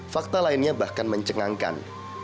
fakta lainnya bahkan mencengangkan